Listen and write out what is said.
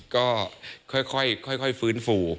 ก็ค่อยฟื้นฟู